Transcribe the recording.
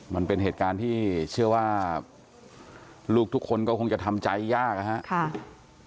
มันเป็นเหตุการณ์ที่เชื่อว่าลูกทุกคนก็คงจะทำใจยากนะครับ